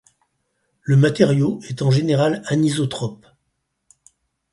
Le matériau est en général anisotrope.